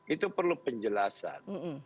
itu perlu penjelasan